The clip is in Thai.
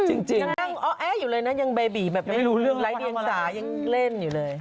เอ๊ะอยู่เลยนะยังเบยบีแบบไม่รู้เรื่องไรเดี๋ยวอังสารยังเล่นอยู่เลย